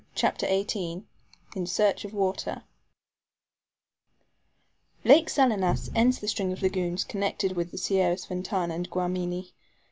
CHAPTER XVIII IN SEARCH OF WATER LAKE SALINAS ends the string of lagoons connected with the Sierras Ventana and Guamini.